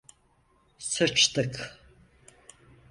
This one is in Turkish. Sıçtık!